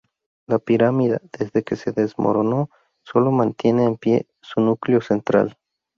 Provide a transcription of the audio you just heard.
La pirámide, desde que se desmoronó, solo mantiene en pie su núcleo central.